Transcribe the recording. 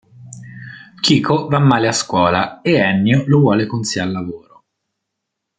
Kiko va male a scuola e Ennio lo vuole con sé al lavoro.